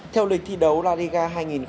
theo lịch thi đấu la liga